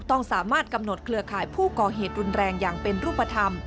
ต้องสามารถกำหนดเครือข่ายผู้ก่อเหตุรุนแรงอย่างเป็นรูปธรรม